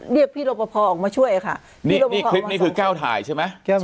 เรียกพี่รปภออกมาช่วยค่ะนี่คลิปนี้คือแก้วถ่ายใช่ไหม